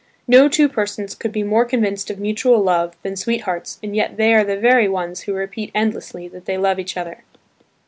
No two persons could be more convinced of mutual love than sweethearts and yet they are the very ones who repeat endlessly that they love each other.